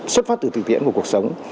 xuất phát từ thực tiễn của cuộc sống